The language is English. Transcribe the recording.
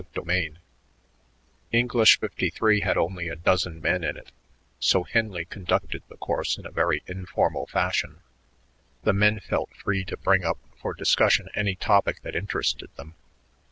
CHAPTER XXV English 53 had only a dozen men in it; so Henley conducted the course in a very informal fashion. The men felt free to bring up for discussion any topic that interested them.